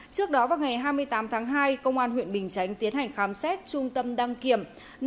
trước đó vào ngày hai mươi tám tháng hai công an huyện bình chánh tiến hành khám xét trung tâm đăng kiểm